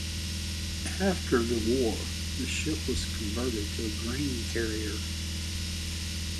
After the war the ship was converted to a grain carrier.